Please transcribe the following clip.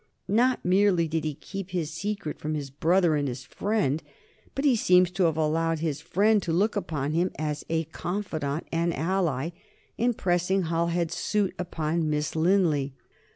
Not merely did he keep his secret from his brother and his friend, but he seems to have allowed his friend to look upon him as a confidant and ally in pressing Halhed's suit upon Miss Linley.